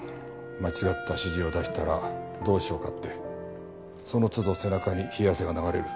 間違った指示を出したらどうしようかってその都度背中に冷や汗が流れる。